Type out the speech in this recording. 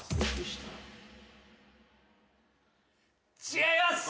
違います！